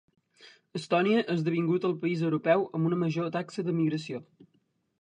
Estònia ha esdevingut el país europeu amb una major taxa d'emigració.